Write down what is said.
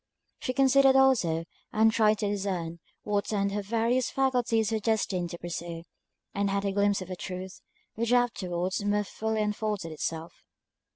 She considered also, and tried to discern what end her various faculties were destined to pursue; and had a glimpse of a truth, which afterwards more fully unfolded itself.